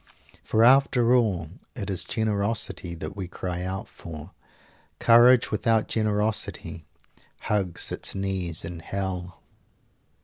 _ For after all it is generosity that we cry out for. Courage without generosity hugs its knees in Hell.